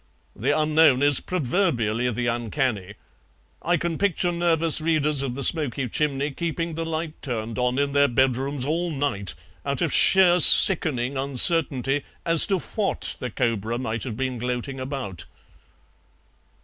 The unknown is proverbially the uncanny. I can picture nervous readers of the SMOKY CHIMNEY keeping the light turned on in their bedrooms all night out of sheer sickening uncertainty as to WHAT the cobra might have been gloating about."